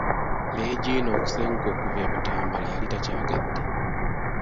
Leegina okusenguka okuva e Butambala yali takyagadde.